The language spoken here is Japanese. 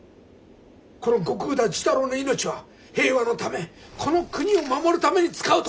この後工田寿太郎の命は平和のためこの国を守るために使うと。